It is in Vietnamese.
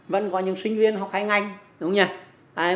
vẫn có những sinh viên học hai ngành đúng không nhỉ